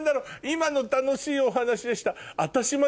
今の「楽しいお話でした」。